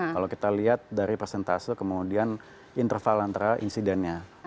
kalau kita lihat dari persentase kemudian interval antara insidennya